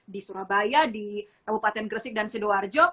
di surabaya di kabupaten gresik dan sidoarjo